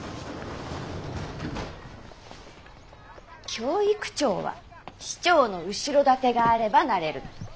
教育長は市長の後ろ盾があればなれるの。